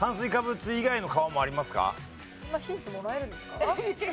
そんなヒントもらえるんですか？